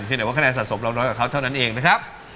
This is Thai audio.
แต่ว่าคะแนนสะสมเราน้อยกว่าเขาเท่านั้นเองนะครับ